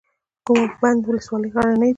کوه بند ولسوالۍ غرنۍ ده؟